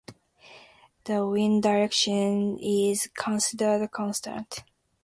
The wind direction is considered constant.